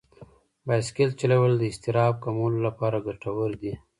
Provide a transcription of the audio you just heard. بایسکل چلول د اضطراب کمولو لپاره ګټور دي.